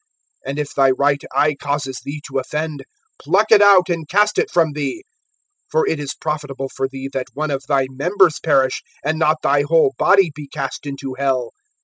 (29)And if thy right eye causes thee to offend, pluck it out and cast it from thee; for it is profitable for thee that one of thy members perish, and not thy whole body be cast into hell.